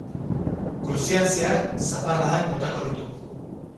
Goizean zehar zaparradak botako ditu.